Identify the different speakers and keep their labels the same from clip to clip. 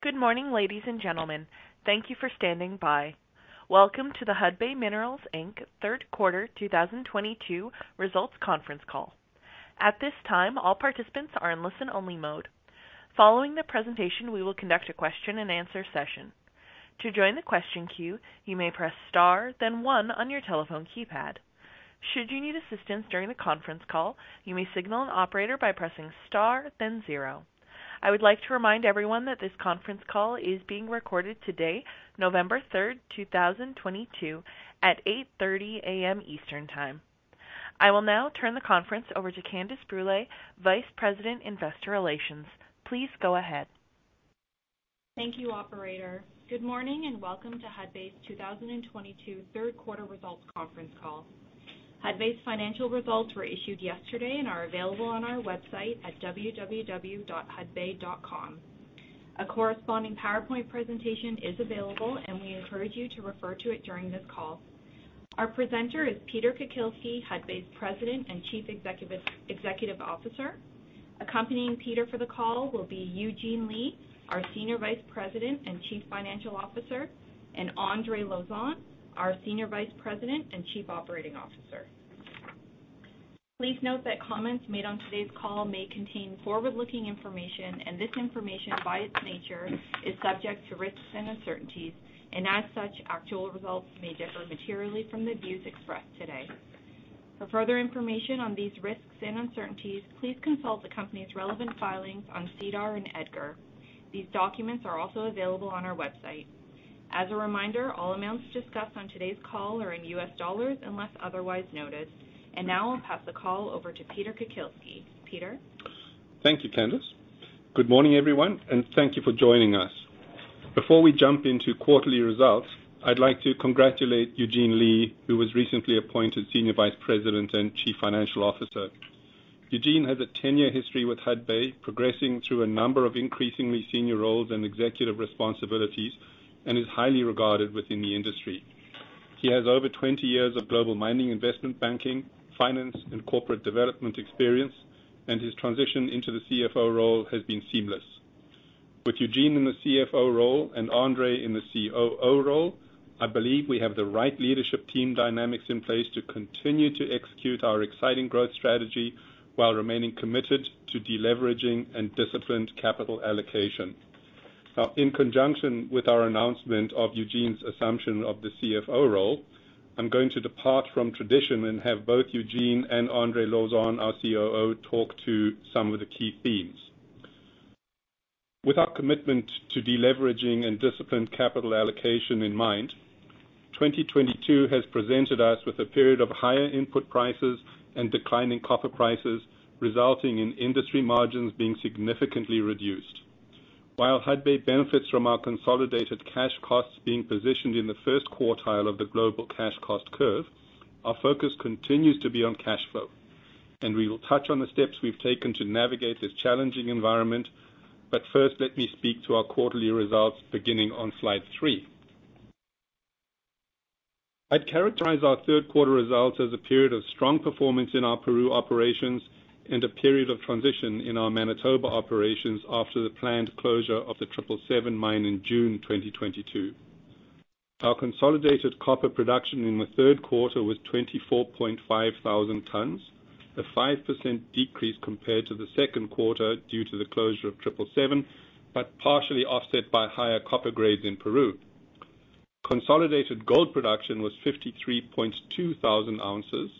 Speaker 1: Good morning, ladies and gentlemen. Thank you for standing by. Welcome to the Hudbay Minerals Inc. Third Quarter 2022 Results Conference Call. At this time, all participants are in listen-only mode. Following the presentation, we will conduct a question-and-answer session. To join the question queue, you may press star then one on your telephone keypad. Should you need assistance during the conference call, you may signal an operator by pressing star then zero. I would like to remind everyone that this conference call is being recorded today, November 3, 2022, at 8:30 A.M. Eastern Time. I will now turn the conference over to Candace Brûlé, Vice President, Investor Relations. Please go ahead.
Speaker 2: Thank you, operator. Good morning and welcome to Hudbay's 2022 Third Quarter Results Conference Call. Hudbay's financial results were issued yesterday and are available on our website at www.hudbay.com. A corresponding PowerPoint presentation is available, and we encourage you to refer to it during this call. Our presenter is Peter Kukielski, Hudbay's President and Chief Executive Officer. Accompanying Peter for the call will be Eugene Lei, our Senior Vice President and Chief Financial Officer, and Andre Lauzon, our Senior Vice President and Chief Operating Officer. Please note that comments made on today's call may contain forward-looking information, and this information, by its nature, is subject to risks and uncertainties, and as such, actual results may differ materially from the views expressed today. For further information on these risks and uncertainties, please consult the company's relevant filings on SEDAR and EDGAR. These documents are also available on our website. As a reminder, all amounts discussed on today's call are in U.S. dollars unless otherwise noted. Now I'll pass the call over to Peter Kukielski. Peter?
Speaker 3: Thank you, Candace. Good morning, everyone, and thank you for joining us. Before we jump into quarterly results, I'd like to congratulate Eugene Lei, who was recently appointed Senior Vice President and Chief Financial Officer. Eugene has a 10-year history with Hudbay, progressing through a number of increasingly senior roles and executive responsibilities and is highly regarded within the industry. He has over 20 years of global mining investment banking, finance, and corporate development experience, and his transition into the CFO role has been seamless. With Eugene in the CFO role and Andre in the COO role, I believe we have the right leadership team dynamics in place to continue to execute our exciting growth strategy while remaining committed to deleveraging and disciplined capital allocation. Now, in conjunction with our announcement of Eugene's assumption of the CFO role, I'm going to depart from tradition and have both Eugene and Andre Lauzon, our COO, talk to some of the key themes. With our commitment to deleveraging and disciplined capital allocation in mind, 2022 has presented us with a period of higher input prices and declining copper prices, resulting in industry margins being significantly reduced. While Hudbay benefits from our consolidated cash costs being positioned in the first quartile of the global cash cost curve, our focus continues to be on cash flow, and we will touch on the steps we've taken to navigate this challenging environment. First, let me speak to our quarterly results beginning on slide three. I'd characterize our third quarter results as a period of strong performance in our Peru operations and a period of transition in our Manitoba operations after the planned closure of the 777 Mine in June 2022. Our consolidated copper production in the third quarter was 24,500 tons, a 5% decrease compared to the second quarter due to the closure of 777, but partially offset by higher copper grades in Peru. Consolidated gold production was 53,200 ounces,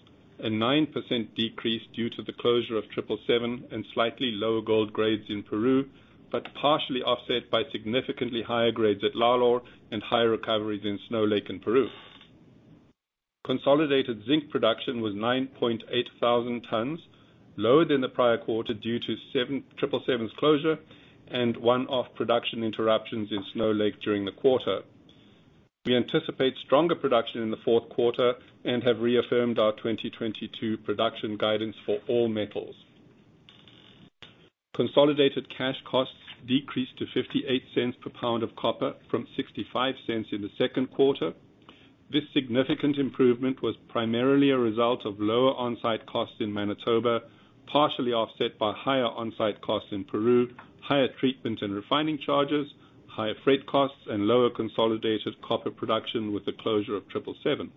Speaker 3: a 9% decrease due to the closure of 777 and slightly lower gold grades in Peru, but partially offset by significantly higher grades at Lalor and higher recoveries in Snow Lake in Peru. Consolidated zinc production was 9,800 tons, lower than the prior quarter due to 777's closure and one-off production interruptions in Snow Lake during the quarter. We anticipate stronger production in the fourth quarter and have reaffirmed our 2022 production guidance for all metals. Consolidated cash costs decreased to $0.58 per pound of copper from $0.65 in the second quarter. This significant improvement was primarily a result of lower on-site costs in Manitoba, partially offset by higher on-site costs in Peru, higher treatment and refining charges, higher freight costs, and lower consolidated copper production with the closure of 777.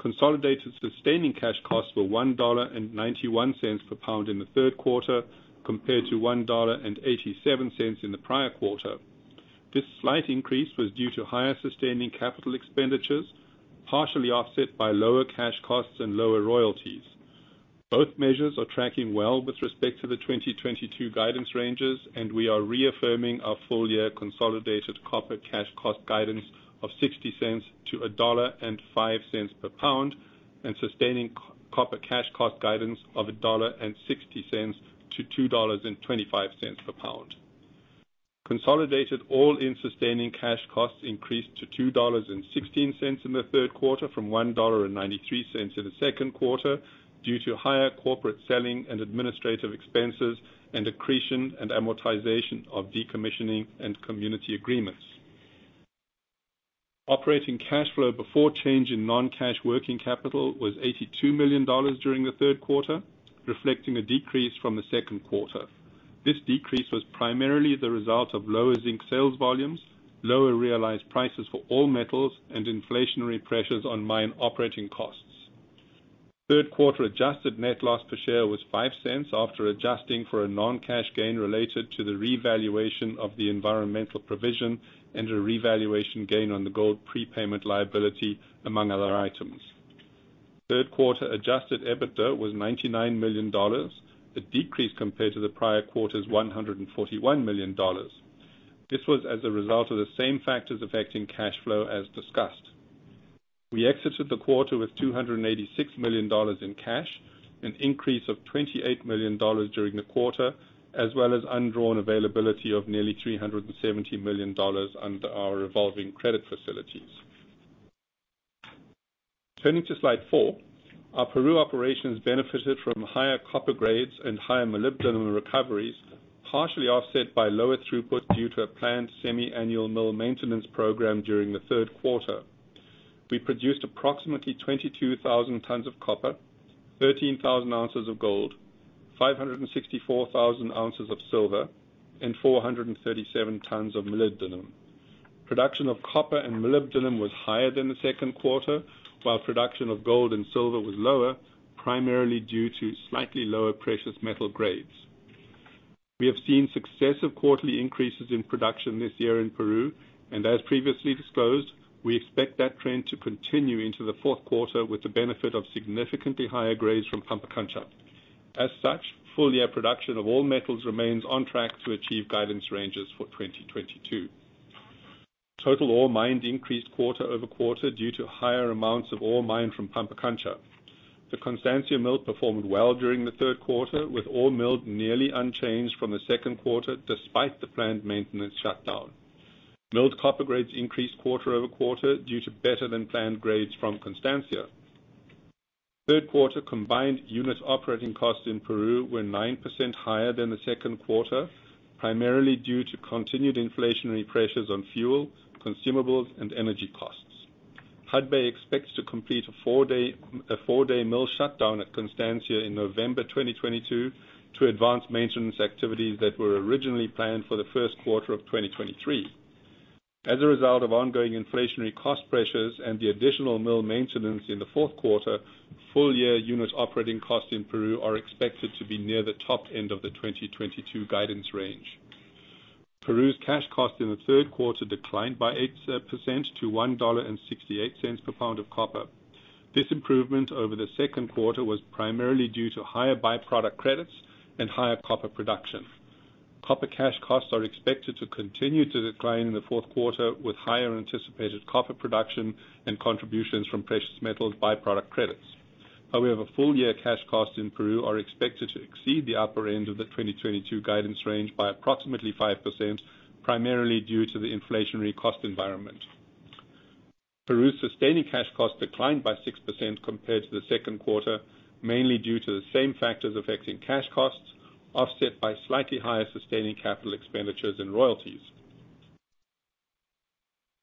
Speaker 3: Consolidated sustaining cash costs were $1.91 per pound in the third quarter compared to $1.87 in the prior quarter. This slight increase was due to higher sustaining capital expenditures, partially offset by lower cash costs and lower royalties. Both measures are tracking well with respect to the 2022 guidance ranges, and we are reaffirming our full-year consolidated copper cash cost guidance of $0.60-$1.05 per pound, and sustaining copper cash cost guidance of $1.60-$2.25 per pound. Consolidated all-in sustaining cash costs increased to $2.16 in the third quarter from $1.93 in the second quarter due to higher corporate selling and administrative expenses and accretion and amortization of decommissioning and community agreements. Operating cash flow before change in non-cash working capital was $82 million during the third quarter, reflecting a decrease from the second quarter. This decrease was primarily the result of lower zinc sales volumes, lower realized prices for all metals, and inflationary pressures on mine operating costs. Third quarter adjusted net loss per share was $0.05 after adjusting for a non-cash gain related to the revaluation of the environmental provision and a revaluation gain on the gold prepayment liability, among other items. Third quarter adjusted EBITDA was $99 million, a decrease compared to the prior quarter's $141 million. This was as a result of the same factors affecting cash flow as discussed. We exited the quarter with $286 million in cash, an increase of $28 million during the quarter, as well as undrawn availability of nearly $370 million under our revolving credit facilities. Turning to slide four, our Peru operations benefited from higher copper grades and higher molybdenum recoveries, partially offset by lower throughput due to a planned semi-annual mill maintenance program during the third quarter. We produced approximately 22,000 tons of copper, 13,000 ounces of gold, 564,000 ounces of silver, and 437 tons of molybdenum. Production of copper and molybdenum was higher than the second quarter, while production of gold and silver was lower, primarily due to slightly lower precious metal grades. We have seen successive quarterly increases in production this year in Peru, and as previously disclosed, we expect that trend to continue into the fourth quarter with the benefit of significantly higher grades from Pampacancha. As such, full year production of all metals remains on track to achieve guidance ranges for 2022. Total ore mined increased quarter-over-quarter due to higher amounts of ore mined from Pampacancha. The Constancia Mill performed well during the third quarter, with ore milled nearly unchanged from the second quarter, despite the planned maintenance shutdown. Milled copper grades increased quarter-over-quarter due to better-than-planned grades from Constancia. Third quarter combined unit operating costs in Peru were 9% higher than the second quarter, primarily due to continued inflationary pressures on fuel, consumables, and energy costs. Hudbay expects to complete a four-day mill shutdown at Constancia in November 2022 to advance maintenance activities that were originally planned for the first quarter of 2023. As a result of ongoing inflationary cost pressures and the additional mill maintenance in the fourth quarter, full year unit operating costs in Peru are expected to be near the top-end of the 2022 guidance range. Peru's cash cost in the third quarter declined by 8% to $1.68 per pound of copper. This improvement over the second quarter was primarily due to higher byproduct credits and higher copper production. Copper cash costs are expected to continue to decline in the fourth quarter, with higher anticipated copper production and contributions from precious metals byproduct credits. However, full year cash costs in Peru are expected to exceed the upper end of the 2022 guidance range by approximately 5%, primarily due to the inflationary cost environment. Peru's sustaining cash costs declined by 6% compared to the second quarter, mainly due to the same factors affecting cash costs, offset by slightly higher sustaining capital expenditures and royalties.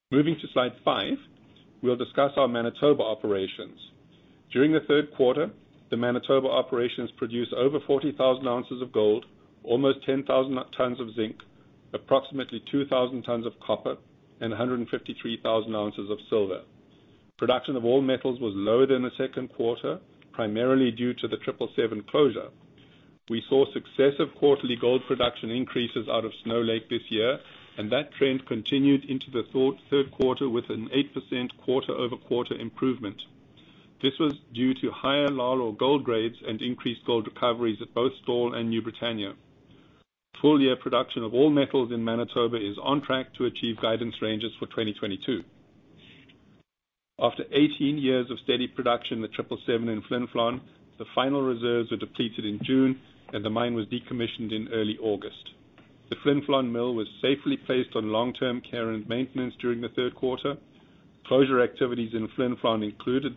Speaker 3: Moving to slide five, we'll discuss our Manitoba operations. During the third quarter, the Manitoba operations produced over 40,000 ounces of gold, almost 10,000 tons of zinc, approximately 2,000 tons of copper, and 153,000 ounces of silver. Production of all metals was lower than the second quarter, primarily due to the 777 closure. We saw successive quarterly gold production increases out of Snow Lake this year, and that trend continued into the third quarter with an 8% quarter-over-quarter improvement. This was due to higher Lalor gold grades and increased gold recoveries at both Stall and New Britannia. Full year production of all metals in Manitoba is on track to achieve guidance ranges for 2022. After 18 years of steady production at 777 in Flin Flon, the final reserves were depleted in June, and the mine was decommissioned in early August. The Flin Flon Mill was safely placed on long-term care and maintenance during the third quarter. Closure activities in Flin Flon, including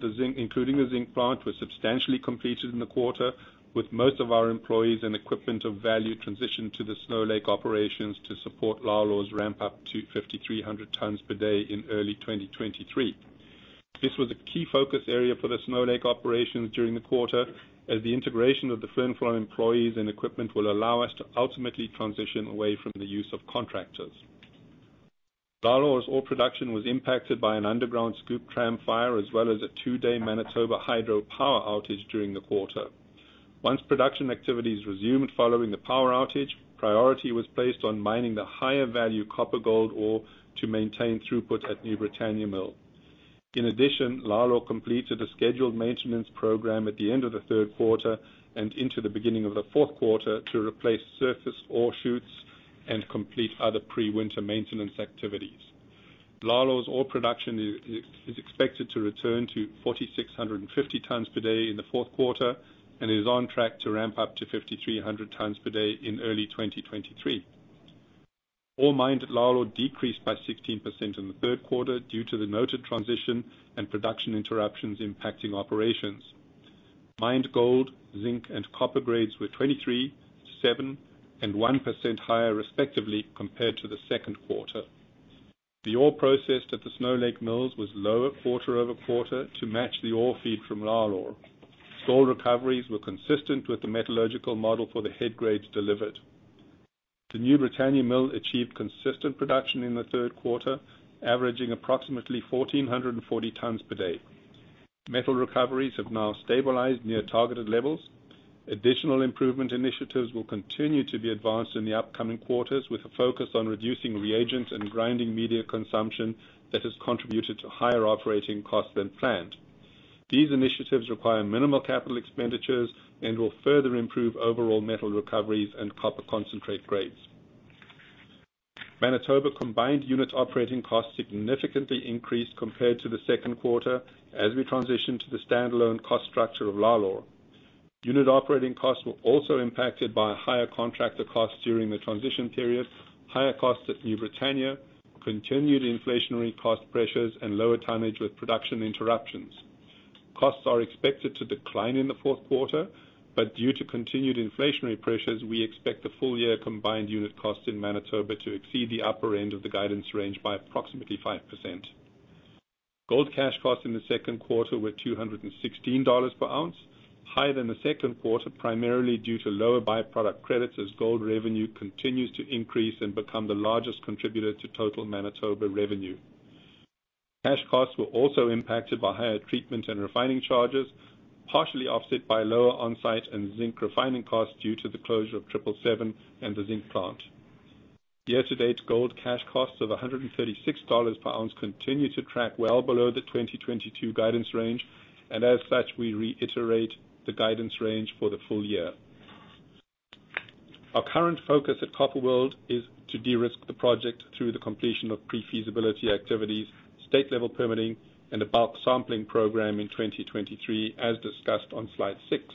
Speaker 3: the zinc plant, were substantially completed in the quarter, with most of our employees and equipment of value transitioned to the Snow Lake operations to support Lalor's ramp up to 5,300 tons per day in early 2023. This was a key focus area for the Snow Lake operations during the quarter, as the integration of the Flin Flon employees and equipment will allow us to ultimately transition away from the use of contractors. Lalor's ore production was impacted by an underground scoop tram fire as well as a two-day Manitoba Hydro power outage during the quarter. Once production activities resumed following the power outage, priority was placed on mining the higher value copper gold ore to maintain throughput at New Britannia Mill. In addition, Lalor completed a scheduled maintenance program at the end of the third quarter and into the beginning of the fourth quarter to replace surface ore shoots and complete other pre-winter maintenance activities. Lalor's ore production is expected to return to 4,650 tons per day in the fourth quarter and is on track to ramp up to 5,300 tons per day in early 2023. Ore mined at Lalor decreased by 16% in the third quarter due to the noted transition and production interruptions impacting operations. Mined gold, zinc, and copper grades were 23%, 7%, and 1% higher respectively, compared to the second quarter. The ore processed at the Snow Lake Mills was lower quarter-over-quarter to match the ore feed from Lalor. Ore recoveries were consistent with the metallurgical model for the head grades delivered. The New Britannia Mill achieved consistent production in the third quarter, averaging approximately 1,440 tons per day. Metal recoveries have now stabilized near targeted levels. Additional improvement initiatives will continue to be advanced in the upcoming quarters, with a focus on reducing reagent and grinding media consumption that has contributed to higher operating costs than planned. These initiatives require minimal capital expenditures and will further improve overall metal recoveries and copper concentrate grades. Manitoba combined unit operating costs significantly increased compared to the second quarter as we transition to the standalone cost structure of Lalor. Unit operating costs were also impacted by higher contractor costs during the transition period, higher costs at New Britannia, continued inflationary cost pressures, and lower tonnage with production interruptions. Costs are expected to decline in the fourth quarter, but due to continued inflationary pressures, we expect the full year combined unit costs in Manitoba to exceed the upper end of the guidance range by approximately 5%. Gold cash costs in the second quarter were $216 per ounce, higher than the second quarter, primarily due to lower by-product credits as gold revenue continues to increase and become the largest contributor to total Manitoba revenue. Cash costs were also impacted by higher treatment and refining charges, partially offset by lower on-site and zinc refining costs due to the closure of 777 and the zinc plant. The year-to-date gold cash costs of $136 per ounce continue to track well below the 2022 guidance range, and as such, we reiterate the guidance range for the full year. Our current focus at Copper World is to de-risk the project through the completion of pre-feasibility activities, state-level permitting, and a bulk sampling program in 2023, as discussed on slide six.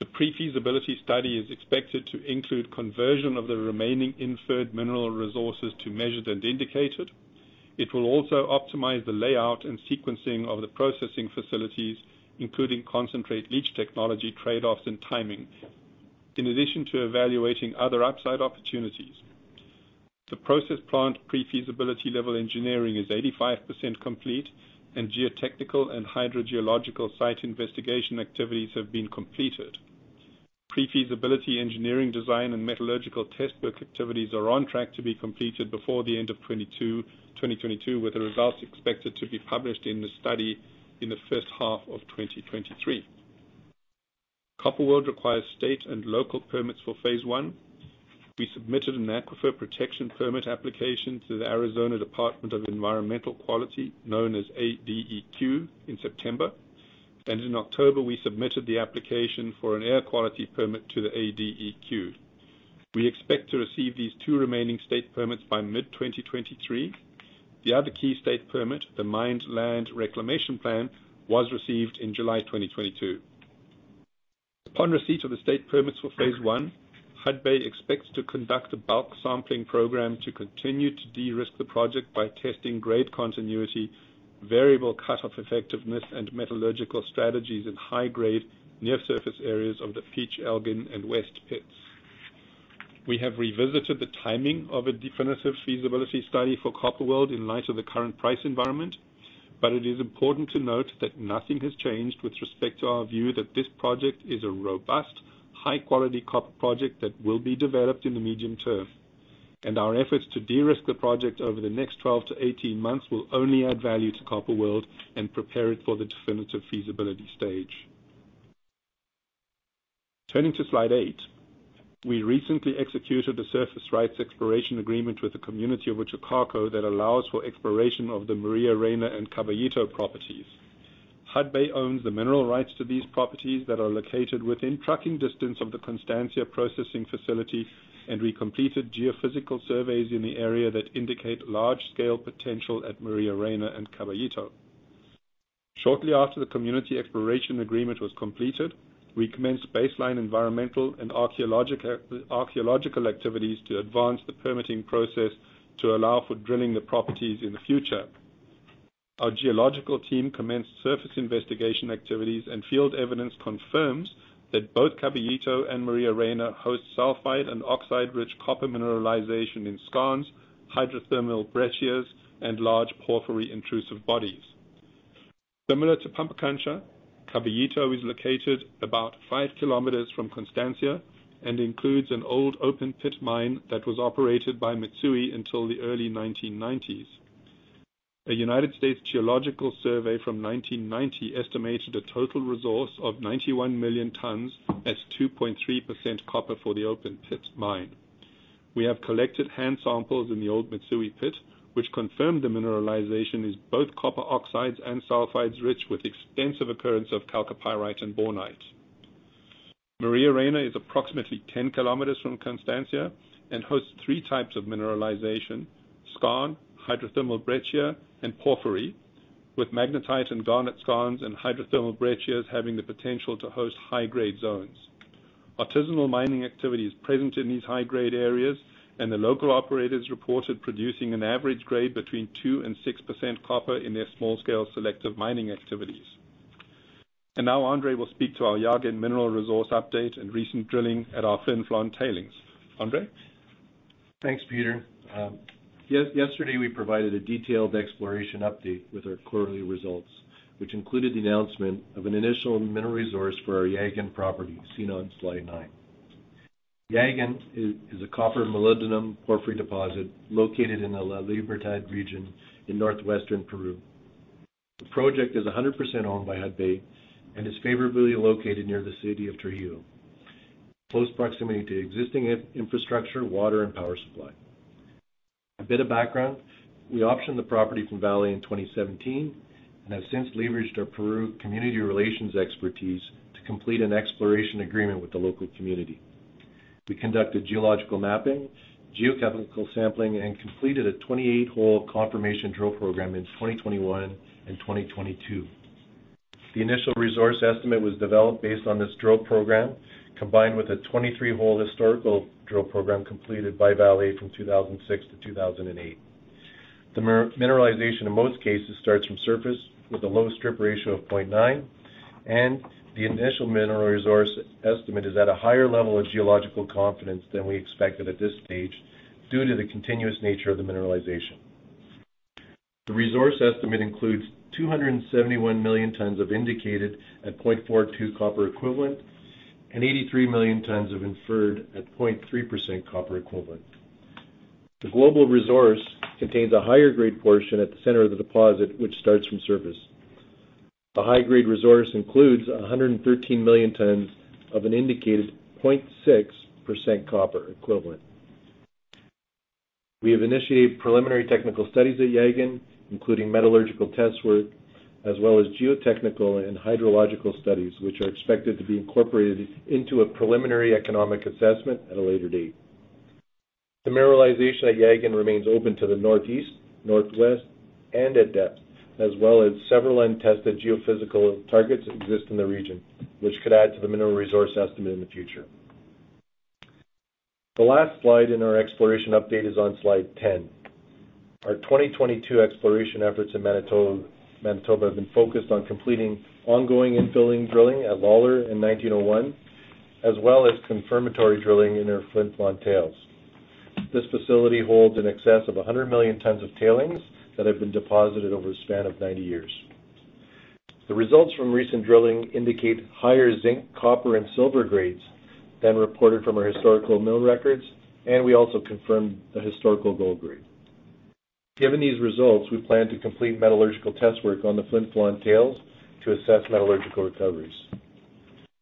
Speaker 3: The pre-feasibility study is expected to include conversion of the remaining inferred mineral resources to measured and indicated. It will also optimize the layout and sequencing of the processing facilities, including concentrate leach technology, trade-offs, and timing, in addition to evaluating other upside opportunities. The process plant pre-feasibility level engineering is 85% complete, and geotechnical and hydrogeological site investigation activities have been completed. Pre-feasibility engineering design and metallurgical test work activities are on track to be completed before the end of 2022, with the results expected to be published in the study in the first half of 2023. Copper World requires state and local permits for phase one. We submitted an aquifer protection permit application to the Arizona Department of Environmental Quality, known as ADEQ, in September, and in October, we submitted the application for an air quality permit to the ADEQ. We expect to receive these two remaining state permits by mid-2023. The other key state permit, the Mined Land Reclamation Plan, was received in July 2022. Upon receipt of the state permits for phase one, Hudbay expects to conduct a bulk sampling program to continue to de-risk the project by testing grade continuity, variable cutoff effectiveness, and metallurgical strategies in high-grade near-surface areas of the Peach-Elgin and West pits. We have revisited the timing of a definitive feasibility study for Copper World in light of the current price environment, but it is important to note that nothing has changed with respect to our view that this project is a robust, high-quality copper project that will be developed in the medium term. Our efforts to de-risk the project over the next 12-18 months will only add value to Copper World and prepare it for the definitive feasibility stage. Turning to slide eight. We recently executed a surface rights exploration agreement with the community of Uchucarcco that allows for exploration of the Maria Reina and Caballito properties. Hudbay owns the mineral rights to these properties that are located within trucking distance of the Constancia processing facility, and we completed geophysical surveys in the area that indicate large-scale potential at Maria Reina and Caballito. Shortly after the community exploration agreement was completed, we commenced baseline environmental and archaeological activities to advance the permitting process to allow for drilling the properties in the future. Our geological team commenced surface investigation activities, and field evidence confirms that both Caballito and Maria Reina host sulfide and oxide-rich copper mineralization in skarns, hydrothermal breccias, and large porphyry intrusive bodies. Similar to Pampacancha, Caballito is located about 5 kilometers from Constancia and includes an old open-pit mine that was operated by Mitsui until the early 1990s. A United States Geological Survey from 1990 estimated a total resource of 91 million tons at 2.3% copper for the open-pit mine. We have collected hand samples in the old Mitsui pit, which confirmed the mineralization is both copper oxides and sulfides, rich with extensive occurrence of chalcopyrite and bornite. Maria Reina is approximately 10 kilometers from Constancia and hosts three types of mineralization: skarn, hydrothermal breccia, and porphyry, with magnetite and garnet skarns and hydrothermal breccias having the potential to host high-grade zones. Artisanal mining activity is present in these high-grade areas, and the local operators reported producing an average grade between 2% and 6% copper in their small-scale selective mining activities. Now Andre will speak to our Llaguen mineral resource update and recent drilling at our Flin Flon tailings. Andre?
Speaker 4: Thanks, Peter. Yes, yesterday we provided a detailed exploration update with our quarterly results, which included the announcement of an initial mineral resource for our Llaguen property, seen on slide nine. Llaguen is a copper-molybdenum porphyry deposit located in the La Libertad region in northwestern Peru. The project is 100% owned by Hudbay and is favorably located near the city of Trujillo, close proximity to existing infrastructure, water and power supply. A bit of background, we optioned the property from Vale in 2017, and have since leveraged our Peru community relations expertise to complete an exploration agreement with the local community. We conducted geological mapping, geochemical sampling, and completed a 28-hole confirmation drill program in 2021 and 2022. The initial resource estimate was developed based on this drill program, combined with a 23-hole historical drill program completed by Vale from 2006 to 2008. Mineralization, in most cases, starts from surface with a low strip ratio of 0.9, and the initial mineral resource estimate is at a higher level of geological confidence than we expected at this stage due to the continuous nature of the mineralization. The resource estimate includes 271 million tons of indicated at 0.42 copper equivalent, and 83 million tons of inferred at 0.3% copper equivalent. The global resource contains a higher grade portion at the center of the deposit, which starts from surface. The high-grade resource includes 113 million tons of an indicated 0.6% copper equivalent. We have initiated preliminary technical studies at Llaguen, including metallurgical test work as well as geotechnical and hydrological studies, which are expected to be incorporated into a preliminary economic assessment at a later date. The mineralization at Llaguen remains open to the northeast, northwest, and at depth, as well as several untested geophysical targets that exist in the region, which could add to the mineral resource estimate in the future. The last slide in our exploration update is on slide 10. Our 2022 exploration efforts in Manitoba have been focused on completing ongoing infilling drilling at Lalor in 1901, as well as confirmatory drilling in our Flin Flon tailings. This facility holds in excess of 100 million tons of tailings that have been deposited over the span of 90 years. The results from recent drilling indicate higher zinc, copper, and silver grades than reported from our historical mill records, and we also confirmed the historical gold grade. Given these results, we plan to complete metallurgical test work on the Flin Flon tailings to assess metallurgical recoveries.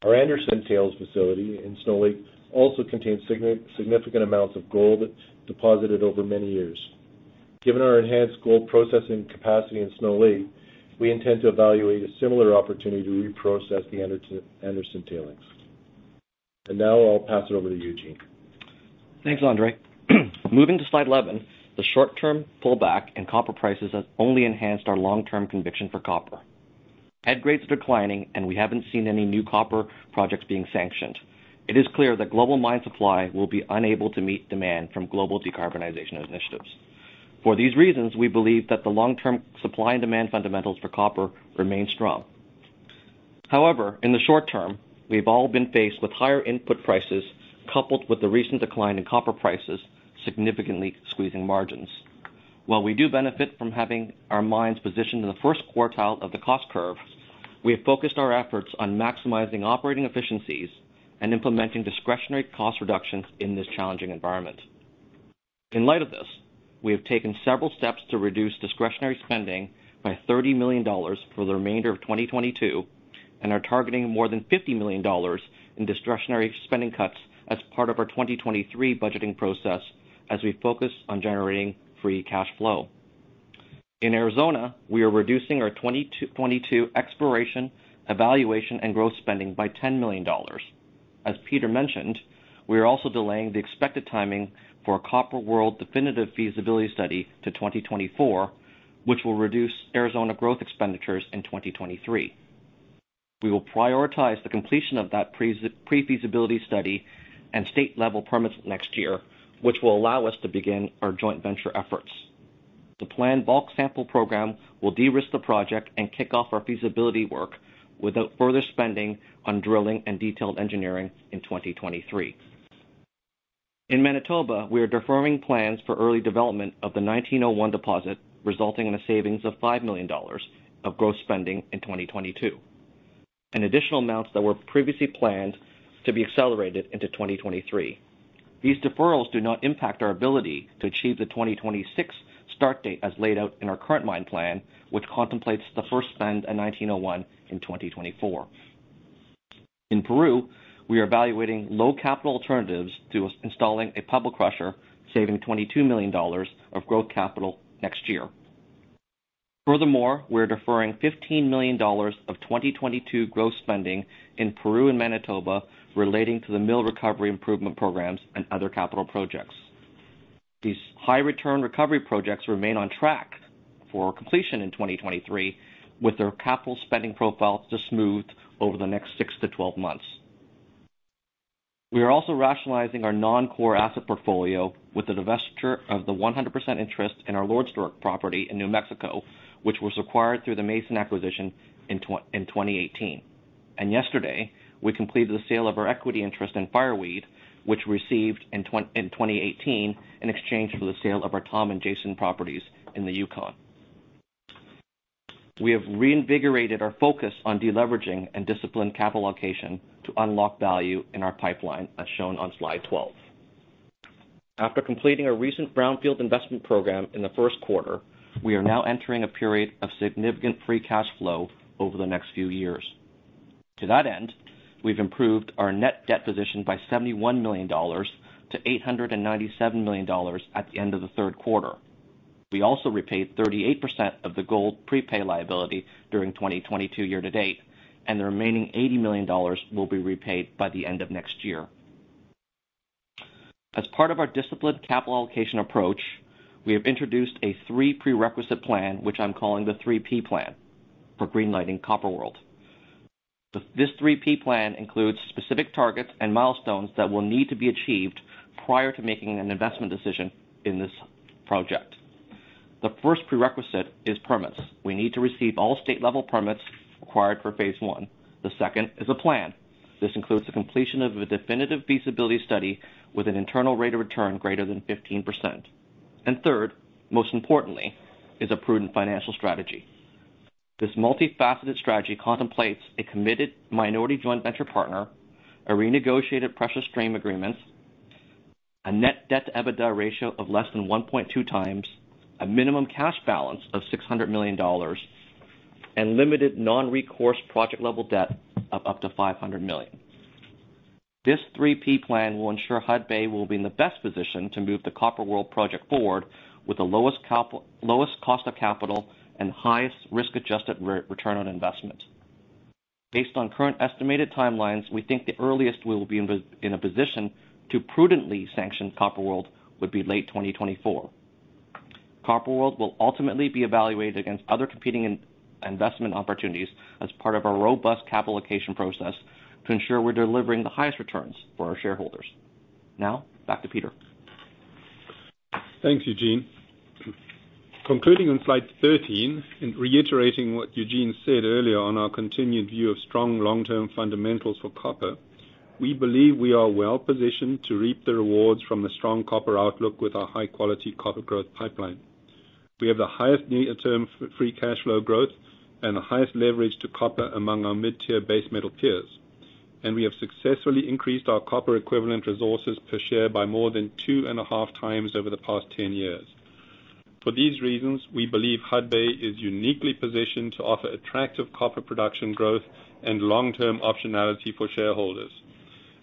Speaker 4: Our Anderson tailings facility in Snow Lake also contains significant amounts of gold deposited over many years. Given our enhanced gold processing capacity in Snow Lake, we intend to evaluate a similar opportunity to reprocess the Anderson tailings. Now I'll pass it over to Eugene Lei.
Speaker 5: Thanks, Andre. Moving to slide 11, the short-term pullback in copper prices has only enhanced our long-term conviction for copper. Head grades are declining, and we haven't seen any new copper projects being sanctioned. It is clear that global mine supply will be unable to meet demand from global decarbonization initiatives. For these reasons, we believe that the long-term supply and demand fundamentals for copper remain strong. However, in the short term, we've all been faced with higher input prices, coupled with the recent decline in copper prices, significantly squeezing margins. While we do benefit from having our mines positioned in the first quartile of the cost curve, we have focused our efforts on maximizing operating efficiencies and implementing discretionary cost reductions in this challenging environment. In light of this, we have taken several steps to reduce discretionary spending by $30 million for the remainder of 2022, and are targeting more than $50 million in discretionary spending cuts as part of our 2023 budgeting process as we focus on generating free cash flow. In Arizona, we are reducing our 2022 exploration, evaluation, and growth spending by $10 million. As Peter mentioned, we are also delaying the expected timing for a Copper World definitive feasibility study to 2024, which will reduce Arizona growth expenditures in 2023. We will prioritize the completion of that pre-feasibility study and state level permits next year, which will allow us to begin our joint venture efforts. The planned bulk sample program will de-risk the project and kick off our feasibility work without further spending on drilling and detailed engineering in 2023. In Manitoba, we are deferring plans for early development of the 1901 deposit, resulting in a savings of $5 million of growth spending in 2022, and additional amounts that were previously planned to be accelerated into 2023. These deferrals do not impact our ability to achieve the 2026 start date as laid out in our current mine plan, which contemplates the first spend in 1901 in 2024. In Peru, we are evaluating low capital alternatives to our installing a pebble crusher, saving $22 million of growth capital next year. Furthermore, we're deferring $15 million of 2022 growth spending in Peru and Manitoba relating to the mill recovery improvement programs and other capital projects. These high return recovery projects remain on track for completion in 2023, with their capital spending profile to smooth over the next 6-12 months. We are also rationalizing our non-core asset portfolio with the divestiture of the 100% interest in our Lordsburg property in New Mexico, which was acquired through the Mason acquisition in 2018. Yesterday, we completed the sale of our equity interest in Fireweed, which received in 2018 in exchange for the sale of our Tom and Jason properties in the Yukon. We have reinvigorated our focus on deleveraging and disciplined capital allocation to unlock value in our pipeline, as shown on slide 12. After completing a recent brownfield investment program in the first quarter, we are now entering a period of significant free cash flow over the next few years. To that end, we've improved our net debt position by $71 million to $897 million at the end of the third quarter. We also repaid 38% of the gold prepay liability during 2022 year to date, and the remaining $80 million will be repaid by the end of next year. As part of our disciplined capital allocation approach, we have introduced a three prerequisite plan, which I'm calling the 3-P plan, for green lighting Copper World. This 3-P plan includes specific targets and milestones that will need to be achieved prior to making an investment decision in this project. The first prerequisite is permits. We need to receive all state level permits required for phase one. The second is a plan. This includes the completion of a definitive feasibility study with an internal rate of return greater than 15%. Third, most importantly, is a prudent financial strategy. This multifaceted strategy contemplates a committed minority joint venture partner, a renegotiated precious stream agreement, a net debt-to-EBITDA ratio of less than 1.2x, a minimum cash balance of $600 million, and limited non-recourse project level debt of up to $500 million. This 3-P plan will ensure Hudbay will be in the best position to move the Copper World project forward with the lowest cost of capital and highest risk-adjusted return on investment. Based on current estimated timelines, we think the earliest we will be in a position to prudently sanction Copper World would be late 2024. Copper World will ultimately be evaluated against other competing investment opportunities as part of our robust capital allocation process to ensure we're delivering the highest returns for our shareholders. Now back to Peter.
Speaker 3: Thanks, Eugene. Concluding on slide 13 and reiterating what Eugene said earlier on our continued view of strong long-term fundamentals for copper, we believe we are well-positioned to reap the rewards from the strong copper outlook with our high-quality copper growth pipeline. We have the highest near-term free cash flow growth and the highest leverage to copper among our mid-tier base metal peers. We have successfully increased our copper equivalent resources per share by more than 2.5 times over the past 10 years. For these reasons, we believe Hudbay is uniquely positioned to offer attractive copper production growth and long-term optionality for shareholders.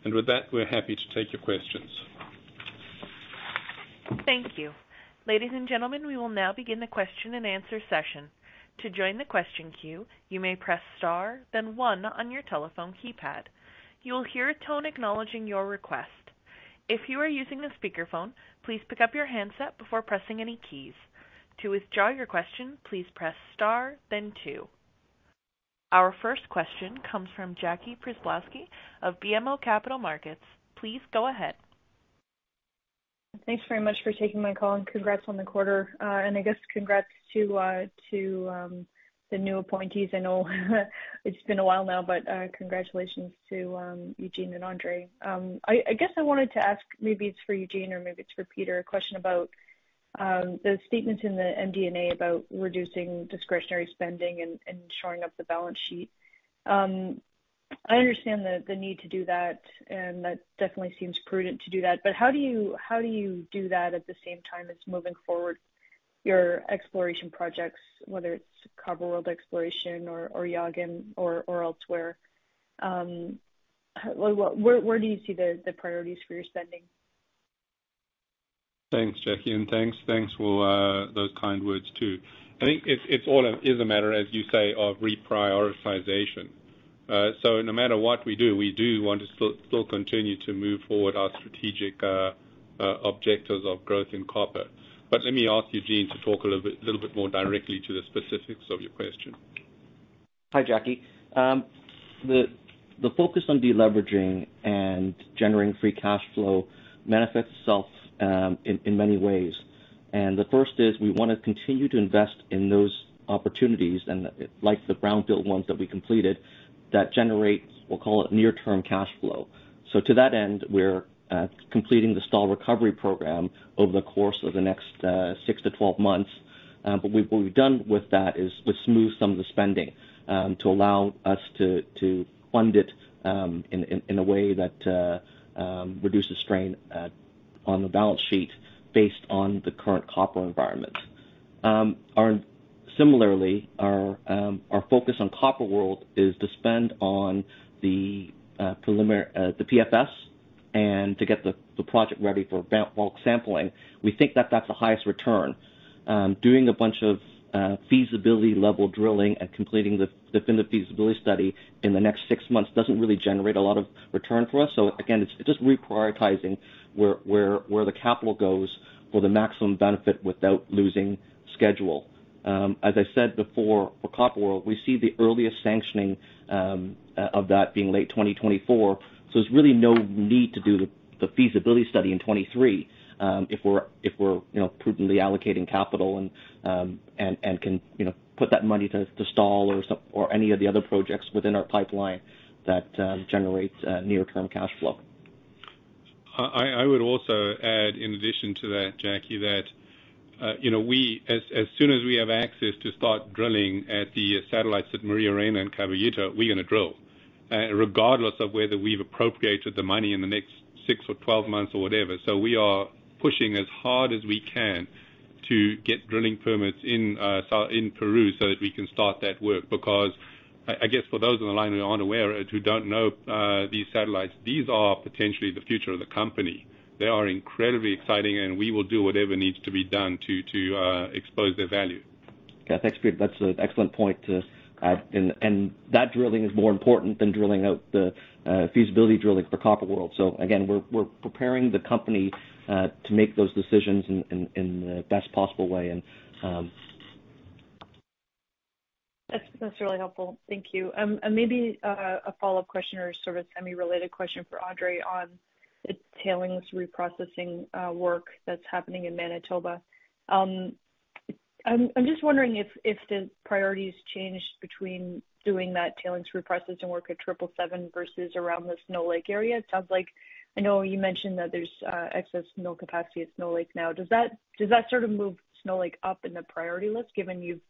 Speaker 3: With that, we're happy to take your questions.
Speaker 1: Thank you. Ladies and gentlemen, we will now begin the question-and-answer session. To join the question queue, you may press star, then one on your telephone keypad. You will hear a tone acknowledging your request. If you are using a speakerphone, please pick up your handset before pressing any keys. To withdraw your question, please press star then two. Our first question comes from Jackie Przybylowski of BMO Capital Markets. Please go ahead.
Speaker 6: Thanks very much for taking my call, and congrats on the quarter. I guess congrats to the new appointees. I know it's been a while now, but congratulations to Eugene Lei and Andre Lauzon. I guess I wanted to ask, maybe it's for Eugene Lei or maybe it's for Peter Kukielski, a question about the statements in the MD&A about reducing discretionary spending and shoring up the balance sheet. I understand the need to do that, and that definitely seems prudent to do that. How do you do that at the same time as moving forward your exploration projects, whether it's Copper World exploration or Llaguen or elsewhere? Where do you see the priorities for your spending?
Speaker 3: Thanks, Jackie, and thanks for those kind words too. I think it's all a matter, as you say, of reprioritization. No matter what we do, we do want to still continue to move forward our strategic objectives of growth in copper. Let me ask Eugene to talk a little bit more directly to the specifics of your question.
Speaker 5: Hi, Jackie. The focus on deleveraging and generating free cash flow manifests itself in many ways. The first is we wanna continue to invest in those opportunities and, like the brownfield ones that we completed, that generate, we'll call it near-term cash flow. To that end, we're completing the Stall recovery program over the course of the next 6-12 months. What we've done with that is we've smoothed some of the spending to allow us to fund it in a way that reduces strain on the balance sheet based on the current copper environment. Similarly, our focus on Copper World is to spend on the PFS and to get the project ready for bulk sampling. We think that that's the highest return. Doing a bunch of feasibility level drilling and completing the definitive feasibility study in the next six months doesn't really generate a lot of return for us. Again, it's just reprioritizing where the capital goes for the maximum benefit without losing schedule. As I said before, for Copper World, we see the earliest sanctioning of that being late 2024, so there's really no need to do the feasibility study in 2023, if we're you know, prudently allocating capital and can you know, put that money to Stall or any of the other projects within our pipeline that generates near-term cash flow.
Speaker 3: I would also add in addition to that, Jackie, that, you know, as soon as we have access to start drilling at the satellites at Maria Reina and Caballito, we're gonna drill, regardless of whether we've appropriated the money in the next six or 12 months or whatever. We are pushing as hard as we can to get drilling permits in Peru so that we can start that work because I guess for those on the line who aren't aware, who don't know, these satellites, these are potentially the future of the company. They are incredibly exciting, and we will do whatever needs to be done to expose their value.
Speaker 5: Yeah, thanks, Peter. That's an excellent point to add. That drilling is more important than drilling out the feasibility drilling for Copper World. Again, we're preparing the company to make those decisions in the best possible way.
Speaker 6: That's really helpful. Thank you. Maybe a follow-up question or sort of semi-related question for Andre on the tailings reprocessing work that's happening in Manitoba. I'm just wondering if the priorities changed between doing that tailings reprocessing work at 777 versus around the Snow Lake area. It sounds like I know you mentioned that there's excess mill capacity at Snow Lake now. Does that sort of move Snow Lake up in the priority list given you've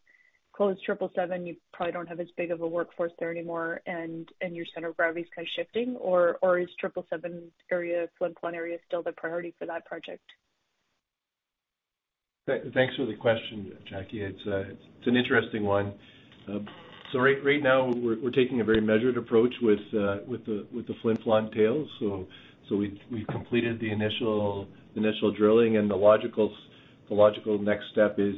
Speaker 6: closed 777, you probably don't have as big of a workforce there anymore, and your center of gravity is kind of shifting? Or is 777 area, Flin Flon area still the priority for that project?
Speaker 4: Thanks for the question, Jackie. It's an interesting one. Right now we're taking a very measured approach with the Flin Flon tails. We've completed the initial drilling and the logical next step is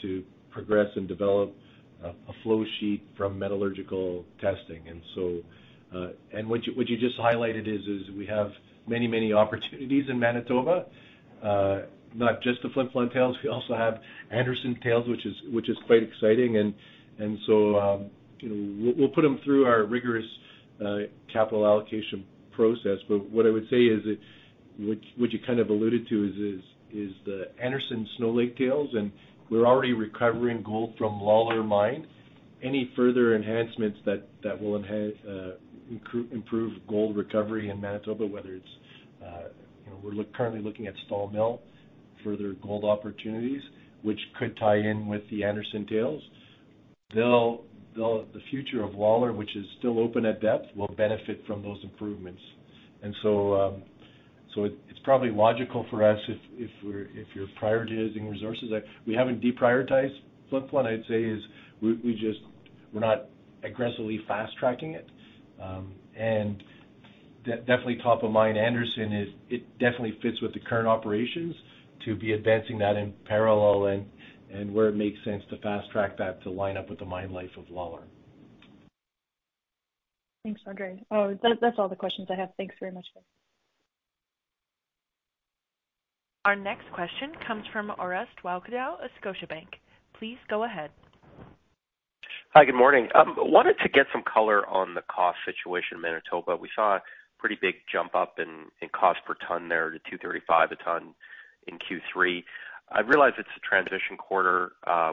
Speaker 4: to progress and develop a flow sheet from metallurgical testing. What you just highlighted is we have many opportunities in Manitoba, not just the Flin Flon tails, we also have Anderson tails, which is quite exciting. You know, we'll put them through our rigorous capital allocation process. What I would say is that what you kind of alluded to is the Anderson Snow Lake tails, and we're already recovering gold from Lalor Mine. Any further enhancements that will enhance recovery, improve gold recovery in Manitoba, whether it's you know we're currently looking at Stall Mill for their gold opportunities, which could tie in with the Anderson tails. The future of Lalor, which is still open at depth, will benefit from those improvements. It's probably logical for us if you're prioritizing resources. We haven't deprioritized Flin Flon, I'd say. We just we're not aggressively fast-tracking it. Definitely top of mind, Anderson is. It definitely fits with the current operations to be advancing that in parallel and where it makes sense to fast track that to line up with the mine life of Lalor.
Speaker 6: Thanks, Andre. Oh, that's all the questions I have. Thanks very much, guys.
Speaker 1: Our next question comes from Orest Wowkodaw of Scotiabank. Please go ahead.
Speaker 7: Hi, good morning. Wanted to get some color on the cost situation in Manitoba. We saw a pretty big jump up in cost per ton there to $235 a ton in Q3. I realize it's a transition quarter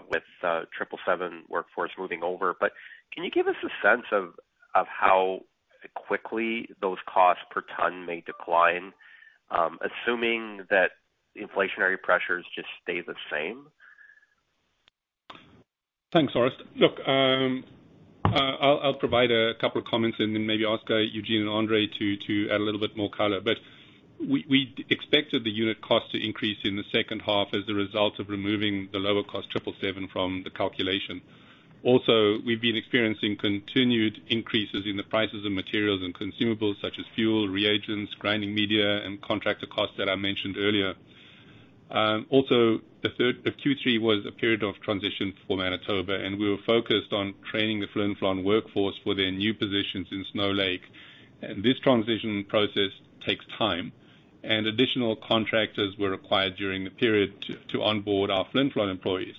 Speaker 7: with 777 workforce moving over, but can you give us a sense of how quickly those costs per ton may decline, assuming that inflationary pressures just stay the same?
Speaker 3: Thanks, Orest. Look, I'll provide a couple of comments and then maybe ask Eugene and Andre to add a little bit more color. We expected the unit cost to increase in the second half as a result of removing the lower cost 777 from the calculation. Also, we've been experiencing continued increases in the prices of materials and consumables such as fuel, reagents, grinding media, and contractor costs that I mentioned earlier. Also, Q3 was a period of transition for Manitoba, and we were focused on training the Flin Flon workforce for their new positions in Snow Lake. This transition process takes time, and additional contractors were required during the period to onboard our Flin Flon employees.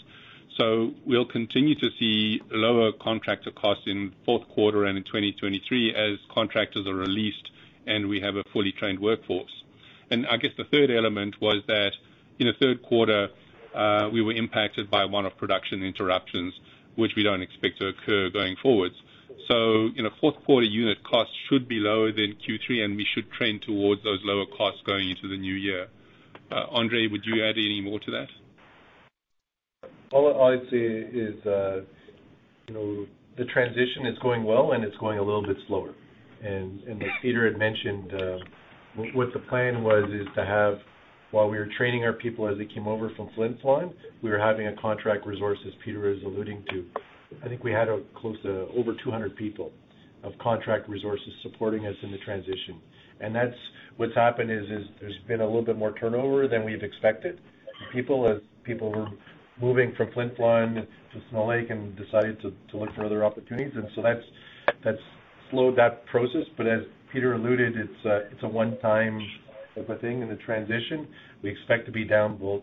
Speaker 3: We'll continue to see lower contractor costs in fourth quarter and in 2023 as contractors are released and we have a fully trained workforce. I guess the third element was that in the third quarter, we were impacted by one-off production interruptions, which we don't expect to occur going forwards. In the fourth quarter, unit costs should be lower than Q3, and we should trend towards those lower costs going into the new year. Andre, would you add any more to that?
Speaker 4: All I'd say is, you know, the transition is going well, and it's going a little bit slower. As Peter had mentioned, what the plan was is to have, while we were training our people as they came over from Flin Flon, we were having a contract resource, as Peter was alluding to. I think we had close to over 200 people of contract resources supporting us in the transition. That's what's happened is there's been a little bit more turnover than we've expected. People were moving from Flin Flon to Snow Lake and decided to look for other opportunities. That's slowed that process. As Peter alluded, it's a one-time type of thing in the transition. We expect to be down about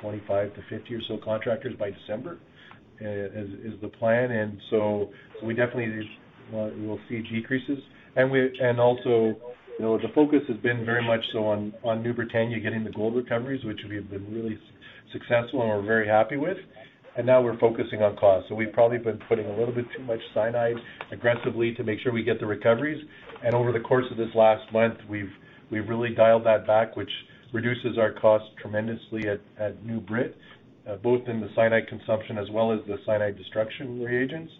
Speaker 4: 25 to 50 or so contractors by December, is the plan. We definitely will see decreases. You know, the focus has been very much so on New Britannia getting the gold recoveries, which we have been really successful and we're very happy with. Now we're focusing on cost. We've probably been putting a little bit too much cyanide aggressively to make sure we get the recoveries. Over the course of this last month, we've really dialed that back, which reduces our cost tremendously at New Brit, both in the cyanide consumption as well as the cyanide destruction reagents.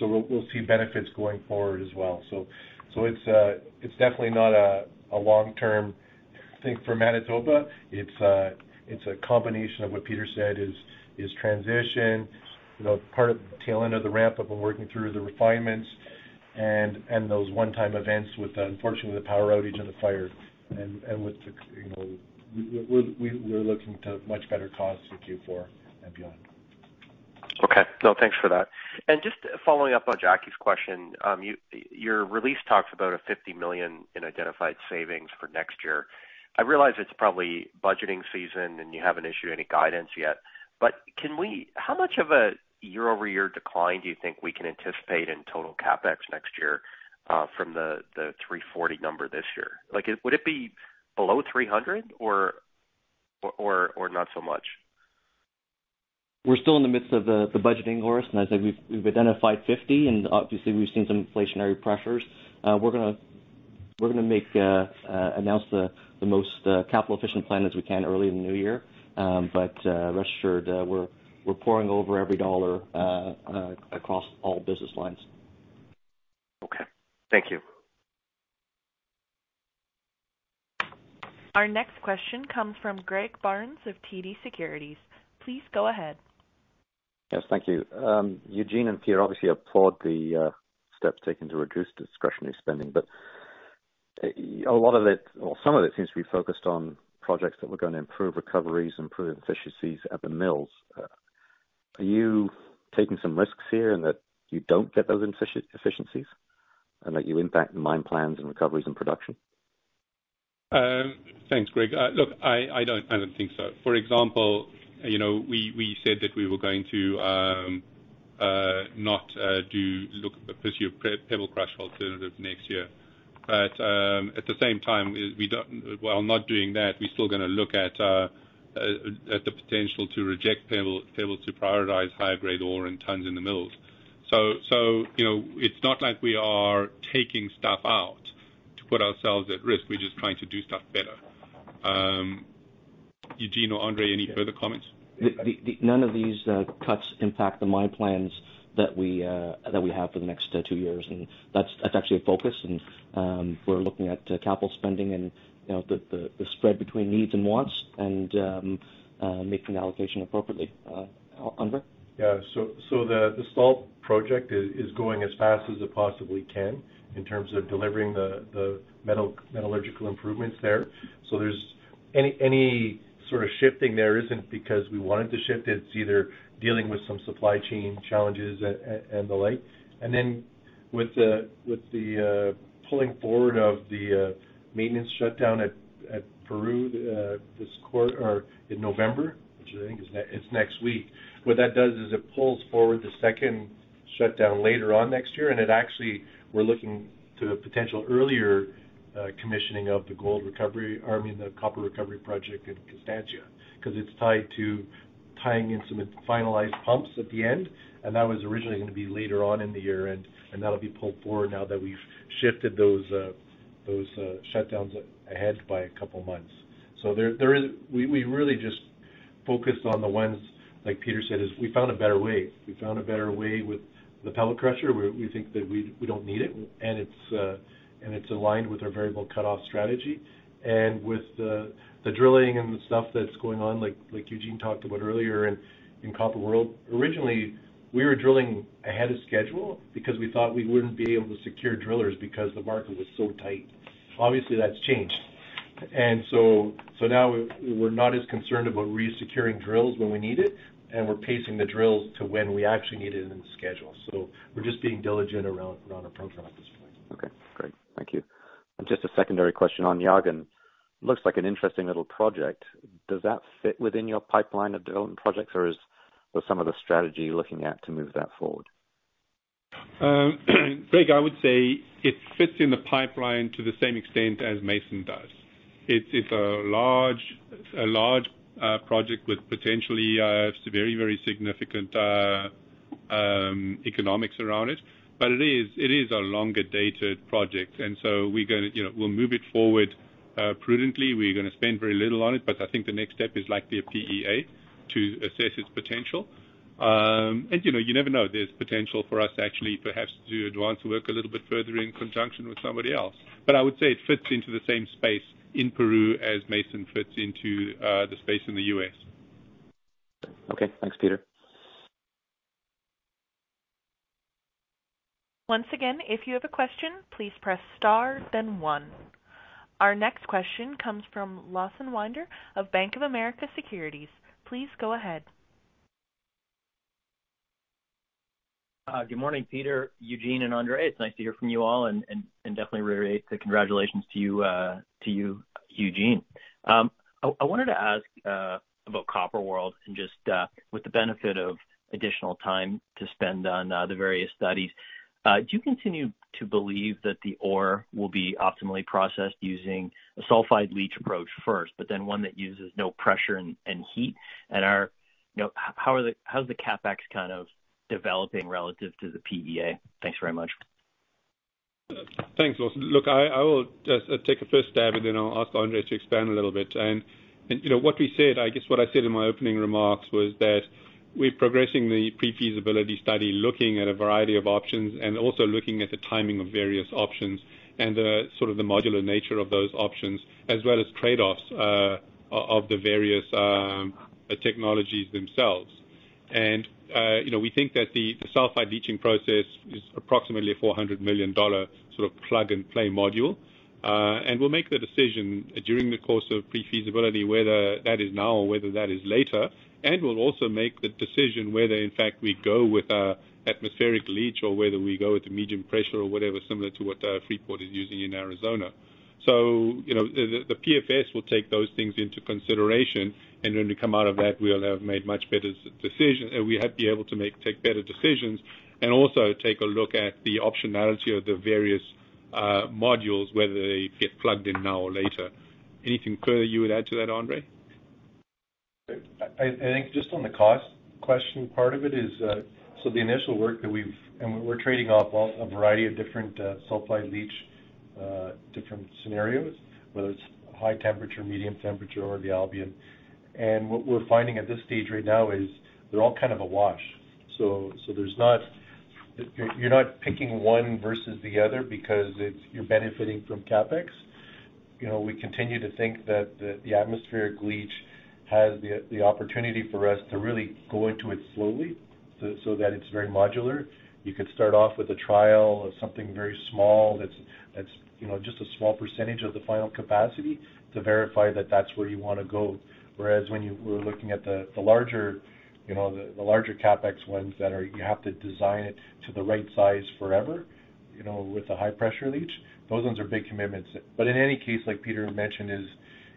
Speaker 4: We'll see benefits going forward as well. It's definitely not a long-term thing for Manitoba. It's a combination of what Peter said is transition, you know, part of the tail end of the ramp-up and working through the refinements and those one-time events with unfortunately the power outage and the fire and with the, you know. We're looking to much better costs in Q4 and beyond.
Speaker 7: Okay. No, thanks for that. Just following up on Jackie's question, your release talks about $50 million in identified savings for next year. I realize it's probably budgeting season, and you haven't issued any guidance yet, but how much of a year-over-year decline do you think we can anticipate in total CapEx next year, from the 340 number this year? Like, would it be below 300 or not so much?
Speaker 5: We're still in the midst of the budgeting, Orest, and I'd say we've identified 50, and obviously we've seen some inflationary pressures. We're gonna announce the most capital-efficient plan as we can early in the new year. Rest assured, we're poring over every dollar across all business lines.
Speaker 7: Okay. Thank you.
Speaker 1: Our next question comes from Greg Barnes of TD Securities. Please go ahead.
Speaker 8: Yes, thank you. Eugene and Peter, obviously applaud the steps taken to reduce discretionary spending, but a lot of it or some of it seems to be focused on projects that were gonna improve recoveries, improve efficiencies at the mills. Are you taking some risks here in that you don't get those efficiencies and that you impact the mine plans and recoveries and production?
Speaker 3: Thanks, Greg. Look, I don't think so. For example, you know, we said that we were going to look to pursue a pebble crusher alternative next year. But at the same time, while not doing that, we're still gonna look at the potential to reject pebbles to prioritize higher grade ore and tons in the mills. You know, it's not like we are taking stuff out to put ourselves at risk. We're just trying to do stuff better. Eugene or Andre, any further comments?
Speaker 5: None of these cuts impact the mine plans that we have for the next two years. That's actually a focus. We're looking at capital spending and, you know, the spread between needs and wants and making the allocation appropriately. Andre?
Speaker 4: The Stall project is going as fast as it possibly can in terms of delivering the metallurgical improvements there. There isn't any sort of shifting there because we wanted to shift it's either dealing with some supply chain challenges and the like. With the pulling forward of the maintenance shutdown at Peru in November, which I think is next week. What that does is it pulls forward the second shutdown later on next year, and it actually, we're looking to a potential earlier commissioning of the gold recovery, or I mean, the copper recovery project in Constancia because it's tied to tying in some finalized pumps at the end. That was originally gonna be later on in the year, and that'll be pulled forward now that we've shifted those shutdowns ahead by a couple of months. There is. We really just focused on the ones, like Peter said, is we found a better way. We found a better way with the pebble crusher. We think that we don't need it, and it's aligned with our variable cutoff strategy. With the drilling and the stuff that's going on, like Eugene talked about earlier in Copper World, originally, we were drilling ahead of schedule because we thought we wouldn't be able to secure drillers because the market was so tight. Obviously, that's changed. Now we're not as concerned about re-securing drills when we need it, and we're pacing the drills to when we actually need it in the schedule. We're just being diligent around our program at this point.
Speaker 8: Okay, great. Thank you. Just a secondary question on Llaguen. Looks like an interesting little project. Does that fit within your pipeline of development projects? What are some of the strategy you're looking at to move that forward?
Speaker 3: Greg, I would say it fits in the pipeline to the same extent as Mason does. It's a large project with potentially some very significant economics around it. But it is a longer-dated project, and so we're gonna, you know, we'll move it forward prudently. We're gonna spend very little on it, but I think the next step is likely a PEA to assess its potential. You know, you never know, there's potential for us actually perhaps to advance the work a little bit further in conjunction with somebody else. But I would say it fits into the same space in Peru as Mason fits into the space in the U.S.
Speaker 8: Okay, thanks Peter.
Speaker 1: Once again, if you have a question, please press star then one. Our next question comes from Lawson Winder of Bank of America Securities. Please go ahead.
Speaker 9: Good morning, Peter Kukielski, Eugene Lei, and Andre Lauzon. It's nice to hear from you all and definitely reiterate the congratulations to you, Eugene Lei. I wanted to ask about Copper World and just with the benefit of additional time to spend on the various studies, do you continue to believe that the ore will be optimally processed using a sulfide leach approach first, but then one that uses no pressure and heat? You know, how's the CapEx kind of developing relative to the PEA? Thanks very much.
Speaker 3: Thanks, Lawson. Look, I will just take a first stab, and then I'll ask Andre to expand a little bit. You know, what we said, I guess what I said in my opening remarks was that we're progressing the pre-feasibility study, looking at a variety of options and also looking at the timing of various options and the sort of modular nature of those options, as well as trade-offs of the various technologies themselves. You know, we think that the sulfide leaching process is approximately $400 million sort of plug-and-play module. We'll make the decision during the course of pre-feasibility, whether that is now or whether that is later. We'll also make the decision whether, in fact, we go with an atmospheric leach or whether we go with a medium pressure or whatever similar to what Freeport-McMoRan is using in Arizona. You know, the PFS will take those things into consideration, and when we come out of that, we'll have made much better decisions. We have to be able to make better decisions and also take a look at the optionality of the various modules, whether they get plugged in now or later. Anything further you would add to that, Andre?
Speaker 4: I think just on the cost question, part of it is. We're trading off a variety of different sulfide leach different scenarios, whether it's high temperature, medium temperature or the Albion. What we're finding at this stage right now is they're all kind of a wash. You're not picking one versus the other because you're benefiting from CapEx. You know, we continue to think that the atmospheric leach has the opportunity for us to really go into it slowly so that it's very modular. You could start off with a trial of something very small that's you know just a small percentage of the final capacity to verify that that's where you wanna go. Whereas when you were looking at the larger, you know, the larger CapEx ones that are, you have to design it to the right size forever, you know, with a high pressure leach, those ones are big commitments. In any case, like Peter mentioned,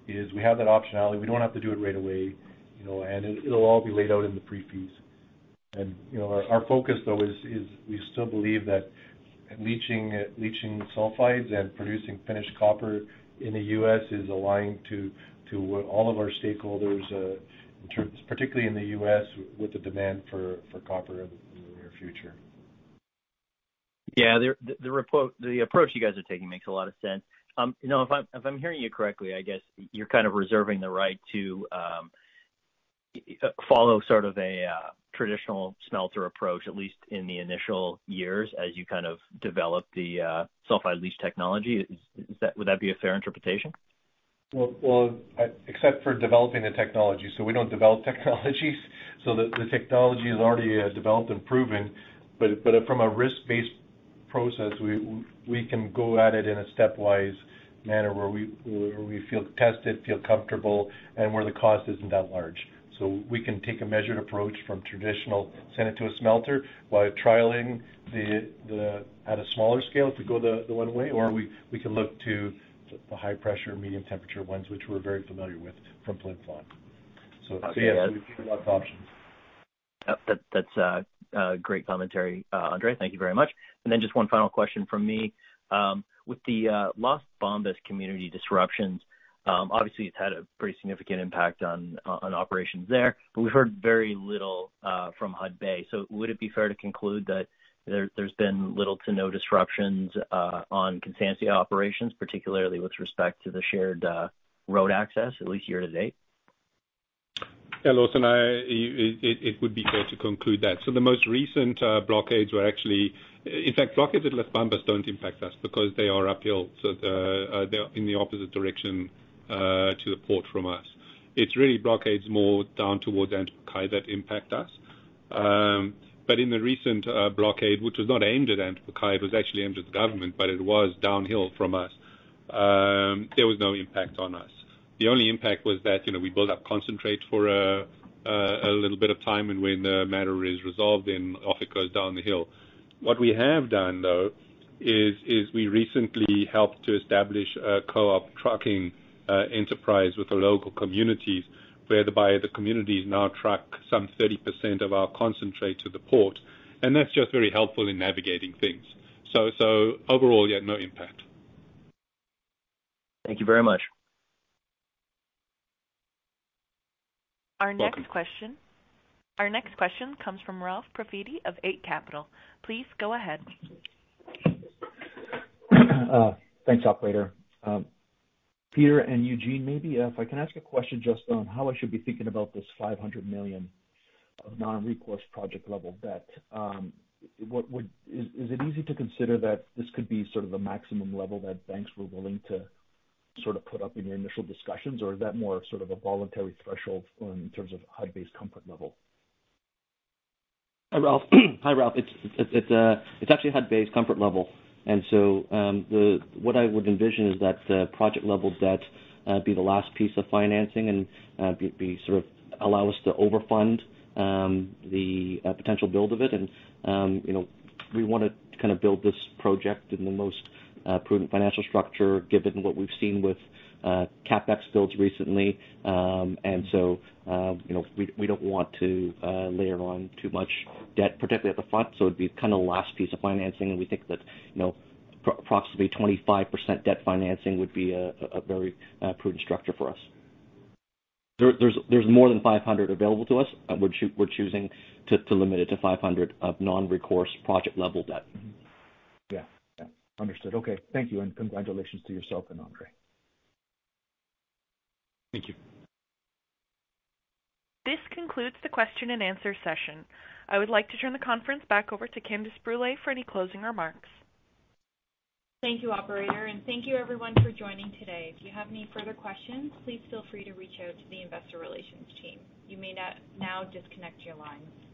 Speaker 4: we have that optionality. We don't have to do it right away, you know, and it'll all be laid out in the pre-feas. You know, our focus though is we still believe that leaching sulfides and producing finished copper in the U.S. is aligned to what all of our stakeholders in terms, particularly in the U.S., with the demand for copper in the near future.
Speaker 9: Yeah. The approach you guys are taking makes a lot of sense. You know, if I'm hearing you correctly, I guess you're kind of reserving the right to follow sort of a traditional smelter approach, at least in the initial years, as you kind of develop the sulfide leach technology. Would that be a fair interpretation?
Speaker 4: Well, except for developing the technology. We don't develop technologies. The technology is already developed and proven. From a risk-based process, we can go at it in a step-wise manner where we feel tested, feel comfortable, and where the cost isn't that large. We can take a measured approach from traditional send it to a smelter while trialing the at a smaller scale to go the one way. We can look to the high pressure, medium temperature ones, which we're very familiar with from Flin Flon. Yeah, we do have options.
Speaker 9: That's a great commentary, Andre. Thank you very much. Just one final question from me. With the Las Bambas community disruptions, obviously it's had a pretty significant impact on operations there, but we've heard very little from Hudbay. Would it be fair to conclude that there's been little to no disruptions on Constancia operations, particularly with respect to the shared road access, at least year to date?
Speaker 3: Yeah, Lawson, it would be fair to conclude that. The most recent blockades were actually. In fact, blockades at Las Bambas don't impact us because they are uphill. They're in the opposite direction to the port from us. It's really blockades more down towards Antamina that impact us. In the recent blockade, which was not aimed at Antamina, it was actually aimed at the government, but it was downhill from us, there was no impact on us. The only impact was that, you know, we build up concentrate for a little bit of time and when the matter is resolved, then off it goes down the hill. What we have done, though, is we recently helped to establish a co-op trucking enterprise with the local communities, whereby the communities now truck some 30% of our concentrate to the port, and that's just very helpful in navigating things. Overall, yeah, no impact.
Speaker 9: Thank you very much.
Speaker 3: Welcome.
Speaker 1: Our next question comes from Ralph Profiti of Eight Capital. Please go ahead.
Speaker 10: Thanks, operator. Peter and Eugene, maybe if I can ask a question just on how I should be thinking about this $500 million of non-recourse project level debt. Is it easy to consider that this could be sort of a maximum level that banks were willing to sort of put up in your initial discussions? Or is that more of sort of a voluntary threshold in terms of Hudbay's comfort level?
Speaker 5: Hi, Ralph. It's actually Hudbay's comfort level. What I would envision is that the project level debt be the last piece of financing and be sort of allow us to overfund the potential build of it. You know, we wanna kind of build this project in the most prudent financial structure given what we've seen with CapEx builds recently. We don't want to layer on too much debt, particularly at the front. It'd be kind of the last piece of financing. We think that, you know, approximately 25% debt financing would be a very prudent structure for us. There's more than $500 available to us. We're choosing to limit it to $500 million of non-recourse project level debt.
Speaker 10: Yeah. Understood. Okay. Thank you, and congratulations to yourself and Andre.
Speaker 3: Thank you.
Speaker 1: This concludes the question and answer session. I would like to turn the conference back over to Candace Brûlé for any closing remarks.
Speaker 2: Thank you, operator, and thank you everyone for joining today. If you have any further questions, please feel free to reach out to the investor relations team. You may now disconnect your lines.